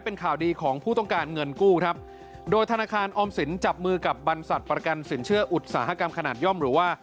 เป็นข่าวดีของผู้ต้องการเงินกู้ครับโดยธนาคารออมสินจับมือกับบรรษัทประกันสินเชื่ออุตสาหกรรมขนาดย่อมหรือว่า